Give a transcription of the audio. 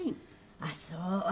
ああそう。